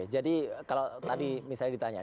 jadi kalau tadi misalnya ditanya